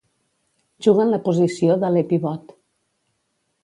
Juga en la posició d'aler pivot.